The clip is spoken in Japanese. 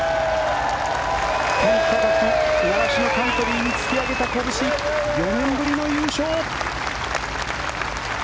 習志野カントリーに突き上げたこぶし４年ぶりの優勝。